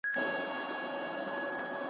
ډېر مو په لیلا پسي تڼاکي سولولي دي ,